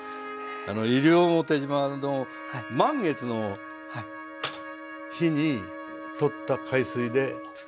西表島の満月の日にとった海水でつくるんです。